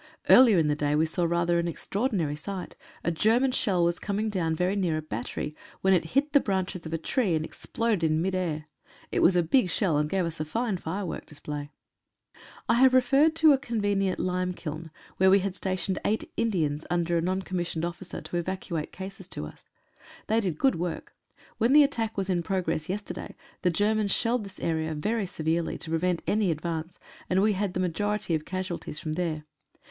Earlier in the day we saw rather an extraordinary sight — a German shell was coming down very near a battery, when it hit the branches of a tree, and exploded in mid air. It was a big shell, and gave us a fine firework display. I have referred to a convenient limekiln, where we had stationed eight Indians, under a N.C.O. to eva cuate cases to us. They did good work. When the at tack was in progress yesterday the Germans shelled this area very severely, to prevent any advance, and we had the majority of casualties from there.